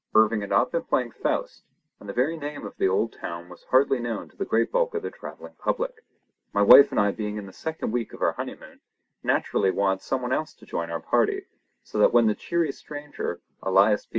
Irving had not been playing Faust, and the very name of the old town was hardly known to the great bulk of the travelling public. My wife and I being in the second week of our honeymoon, naturally wanted someone else to join our party, so that when the cheery stranger, Elias P.